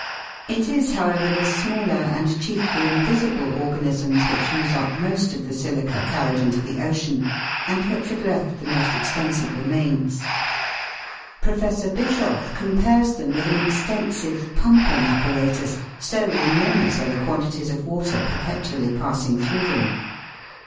It is, however, the smaller and chiefly invisible or Fig. 31. SPONGES: A, VENUS'S FLOWER BASKET; B, GLASS ROPE SPONGE. ganisms which use up most of the silica carried into the ocean, and which have left the most extensive remains. Professor Bischof compares them with an extensive pumping apparatus, so enormous are the quantities of water perpetually passing through them.